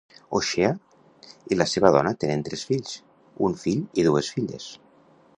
O'Shea i la seva dona tenen tres fills, un fill i dues filles.